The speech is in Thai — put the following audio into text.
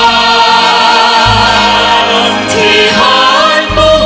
ไม่เร่รวนภาวะผวังคิดกังคัน